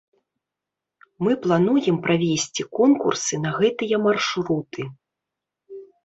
Мы плануем правесці конкурсы на гэтыя маршруты.